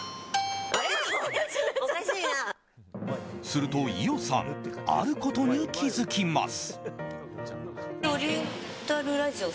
すると、伊代さんあることに気づきます。